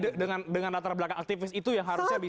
karena dengan latar belakang aktivis itu yang harusnya bisa